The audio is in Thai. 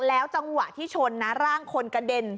แล้วจังหวะที่ชนนะร่างคนกระเด็น